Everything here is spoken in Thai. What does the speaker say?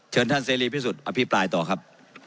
เชิญท่านเสรีพิสุทธิ์อภิปรายต่อครับ